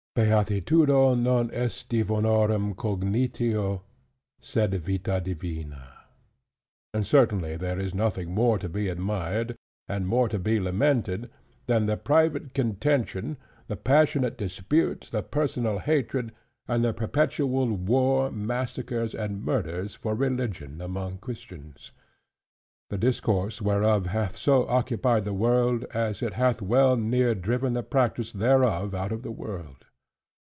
"Beatitudo non est divinorum cognitio, sed vita divina." And certainly there is nothing more to be admired, and more to be lamented, than the private contention, the passionate dispute, the personal hatred, and the perpetual war, massacres, and murders for religion among Christians: the discourse whereof hath so occupied the world, as it hath well near driven the practice thereof out of the world.